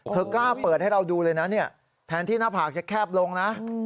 กล้าเปิดให้เราดูเลยนะเนี่ยแทนที่หน้าผากจะแคบลงนะ